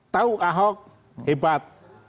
tahu ahok hebat